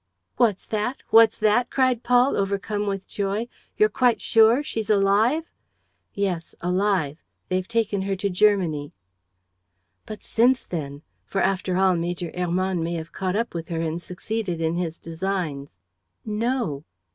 "What's that? What's that?" cried Paul, overcome with joy. "You're quite sure? She's alive?" "Yes, alive. ... They've taken her to Germany." "But since then? For, after all, Major Hermann may have caught up with her and succeeded in his designs." "No."